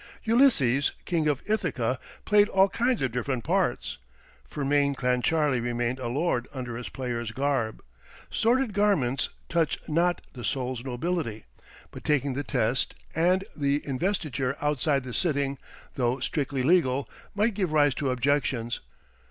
Ulysses, King of Ithaca, played all kinds of different parts. Fermain Clancharlie remained a lord under his player's garb. Sordid garments touch not the soul's nobility. But taking the test and the investiture outside the sitting, though strictly legal, might give rise to objections.